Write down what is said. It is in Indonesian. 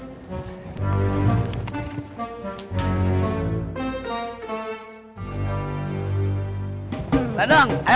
ledang hendakkan ledang kan